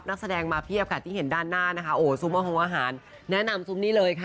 นักแสดงมาเพียบค่ะที่เห็นด้านหน้านะคะโอ้ซุปเปอร์โฮอาหารแนะนำซุปนี้เลยค่ะ